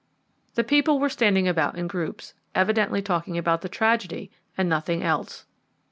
The people were standing about in groups, evidently talking about the tragedy and nothing else.